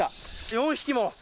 ４匹も。